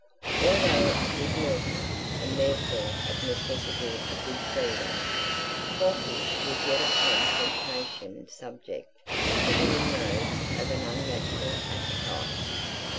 Although a good milker, and therefore of necessity a good feeder, Hawkie was yet upon temptation subject to the inroads of an unnatural appetite.